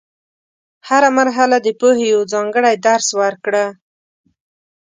هره مرحله د پوهې یو ځانګړی درس ورکړه.